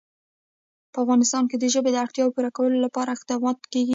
په افغانستان کې د ژبې د اړتیاوو پوره کولو لپاره اقدامات کېږي.